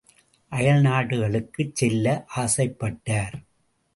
அயல் நாடுகளுக்குச் செல்ல ஆசைப்பட்டார்.